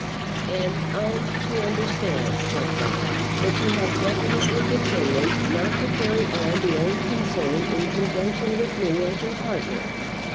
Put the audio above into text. "And I'm to understand," said Rowan, "that you have definitively determined not to carry on the old concern in conjunction with me as your partner."